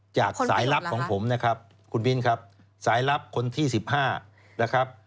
จากสายลับของผมนะครับคุณมิ้นครับสายลับคนที่๑๕นะครับ